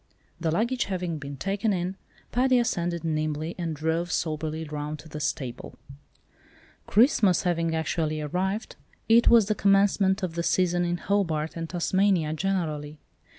The luggage having been taken in, Paddy ascended nimbly, and drove soberly round to the stable. Christmas having actually arrived, it was the commencement of the "season" in Hobart and Tasmania generally.